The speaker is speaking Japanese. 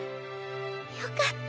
よかった。